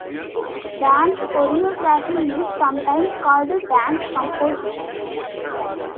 Dance choreography is sometimes called "dance composition".